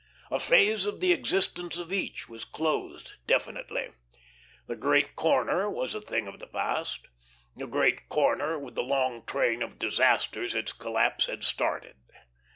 A phase of the existences of each was closed definitely. The great corner was a thing of the past; the great corner with the long train of disasters its collapse had started.